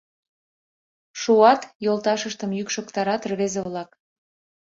— Шуат! — йолташыштым йӱкшыктарат рвезе-влак.